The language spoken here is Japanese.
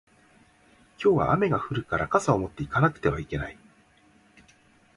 今日は雨が降るから傘を持って行かなくてはいけない